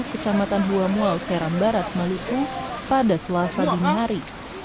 kecamatan buamuau seram barat maluku pada selasa dingin hari